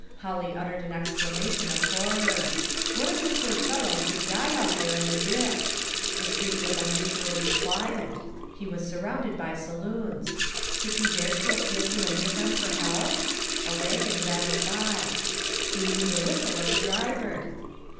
Holly uttered an exclamation of horror. What if the poor fellow should die out there in the ditch? The street was unusually quiet. He was surrounded by saloons. Should he dare to appeal to any of them for help? A wagon rattled by. He knew the whistle of the driver.